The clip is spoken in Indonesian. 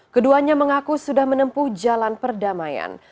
keduanya mengaku sudah menempuh jalan perdamaian